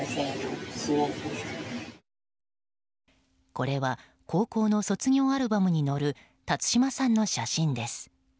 これは高校の卒業アルバムに載る辰島さんの写真です。